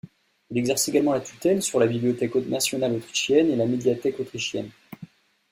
Il exerce également la tutelle sur la Bibliothèque nationale autrichienne et la Médiathèque autrichienne.